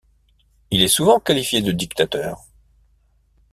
Il est souvent qualifié de dictateur.